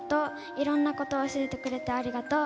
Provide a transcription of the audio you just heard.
いろんなことを教えてくれてありがとう。